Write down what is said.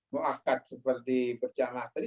mu'akkad seperti berjangah tadi